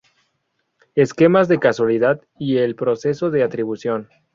Esquemas de causalidad y el proceso de atribución.